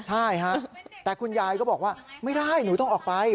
ใช่ฮะแต่คุณยายก็บอกว่าไม่ได้หนูต้องออกไป